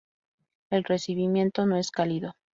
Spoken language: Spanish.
El recibimiento no es cálido.